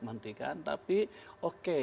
mentikan tapi oke